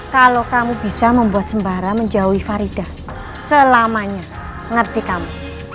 kalau kamu bisa membuat sembara menjauhi farida selamanya ngerti kamu